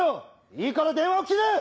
いいから電話を切れ！